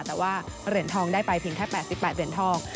แต่ว่าเหรียญทองได้ไปเพียงแค่๘๘เหรียญทอง